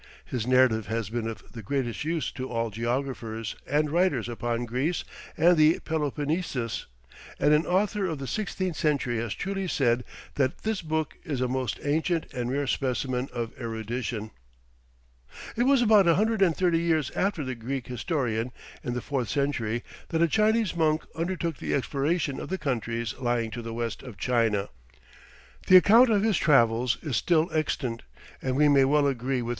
His narrative has been of the greatest use to all geographers and writers upon Greece and the Peloponnesus, and an author of the sixteenth century has truly said that this book is "a most ancient and rare specimen of erudition." [Illustration: World as known to the Ancients.] It was about a hundred and thirty years after the Greek historian, in the fourth century, that a Chinese monk undertook the exploration of the countries lying to the west of China. The account of his travels is still extant, and we may well agree with M.